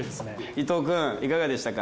伊藤くんいかがでしたか？